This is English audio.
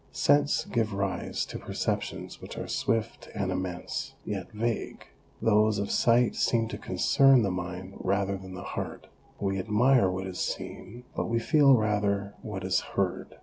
Scents give rise to perceptions which are swift and immense, yet vague ; those of sight seem to concern the mind rather than the heart ; we admire what is seen, but we feel rather what is heard.